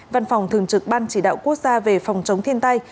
văn phòng thường trực ban chỉ đạo quốc gia về phòng chống thiên tai